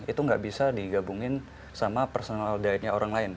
itu nggak bisa digabungin sama personal dietnya orang lain